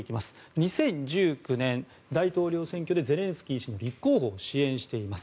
２０１９年大統領選挙でゼレンスキー氏の立候補を支援しています。